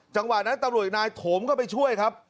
จังหวะนั้นตำรวจนายโถมเข้าไปช่วยครับ